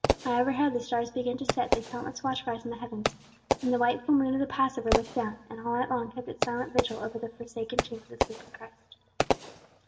High overhead the stars began to set their countless watch fires in the heavens; then the white full moon of the Passover looked down, and all night long kept its silent vigil over the forsaken tomb of the sleeping Christ.